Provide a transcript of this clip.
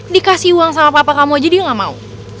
dikasih uang sama papa kamu aja dia gak mau